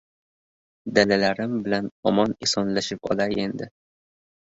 Dalalarim bilan omon-esonlashib olayin, endi.